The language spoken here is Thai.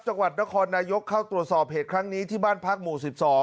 จังหวัดนครนายกเข้าตรวจสอบเหตุครั้งนี้ที่บ้านพักหมู่๑๒